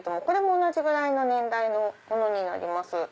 これも同じぐらいの年代のものになります。